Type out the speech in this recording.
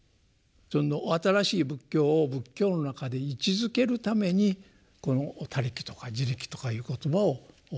その新しい仏教を仏教の中で位置づけるためにこの「他力」とか「自力」とかいう言葉を使われ始めたんですね。